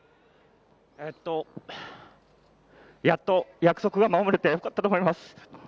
えっと、やっと約束が守れてよかったと思います。